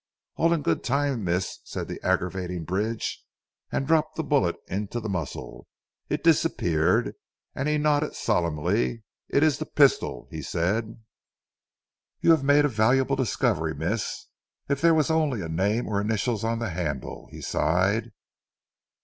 "All in good time Miss," said the aggravating Bridge, and dropped the bullet into the muzzle. It disappeared, and he nodded solemnly. "It is the pistol," he said, "you have made a valuable discovery Miss. If there was only a name or initials on the handle," he sighed.